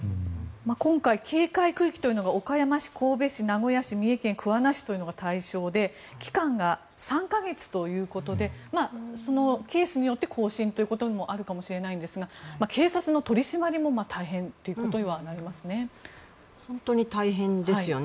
今回、警戒区域というのが岡山市、神戸市、名古屋市三重県桑名市というのが対象で期間が３か月ということでケースによって更新ということもあるかもしれないんですが警察の取り締まりも大変ということにはなりますね。